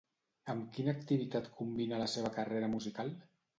Amb quina activitat combina la seva carrera musical?